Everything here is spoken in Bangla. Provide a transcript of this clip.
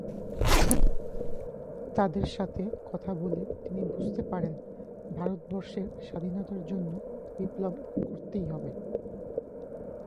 তাদের সাথে কথা বলে তিনি বুঝতে পারেন, ভারতবর্ষের স্বাধীনতার জন্য বিপ্লব করতেই হবে।